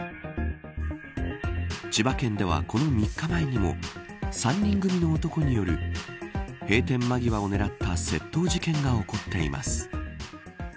千葉県では、この３日前にも３人組の男による閉店間際を狙った窃盗事件が起こっています。